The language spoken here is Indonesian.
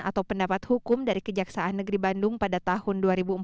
atau pendapat hukum dari kejaksaan negeri bandung pada tahun dua ribu empat belas